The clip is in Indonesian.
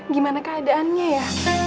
gimana keadaannya ya